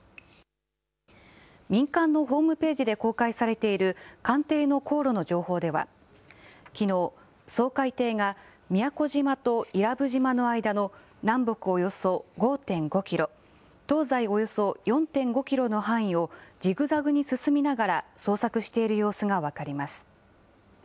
民間のホームページで公開されている艦艇の航路の情報では、きのう、掃海艇が宮古島と伊良部島の間の、南北およそ５．５キロ、東西およそ４．５キロの範囲をじぐざぐに進みながら捜索している様子が分かります。